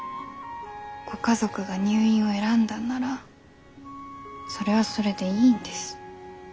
ご家族が入院を選んだんならそれはそれでいいんです。